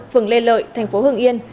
phường lê lợi tp hưng yên